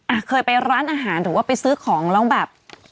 อ่ะเคยไปร้านอาหารหรือว่าไปซื้อของแล้วแบบ